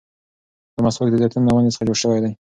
دا مسواک د زيتون له ونې څخه جوړ شوی دی.